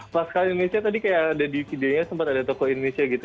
pasca indonesia tadi kayak ada di videonya sempat ada toko indonesia gitu